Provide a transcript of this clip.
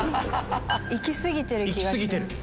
行き過ぎてる気がします。